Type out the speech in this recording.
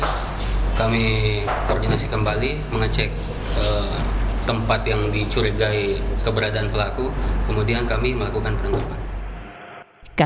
setelah kami koordinasi kembali mengecek tempat yang dicurigai keberadaan pelaku kemudian kami melakukan penangkapan